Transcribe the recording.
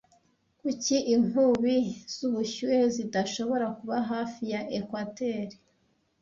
Kuki inkubi zubushyuhe zidashobora kuba hafi ya ekwateri